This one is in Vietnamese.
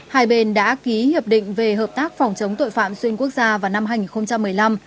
hai bên đã ký hiệp định về hợp tác phòng chống tội phạm xuyên quốc gia vào năm hai nghìn một mươi năm